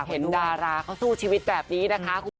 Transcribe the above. เห็นดาราเข้าสู้ชีวิตแบบนี้นะคะ